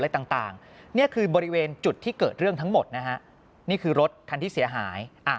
ต่างนี่คือบริเวณจุดที่เกิดเรื่องทั้งหมดนะฮะนี่คือรถคันที่เสียหาย